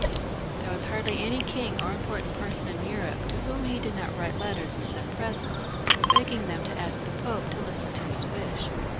There was hardly any king or important person in Europe to whom he did not write letters and send presents, begging them to ask the Pope to listen to his wish.